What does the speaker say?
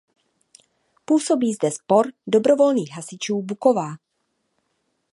Působí zde Sbor dobrovolných hasičů Buková.